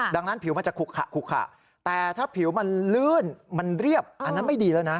ดังนั้นผิวมันจะขุขะคุกขะแต่ถ้าผิวมันลื่นมันเรียบอันนั้นไม่ดีแล้วนะ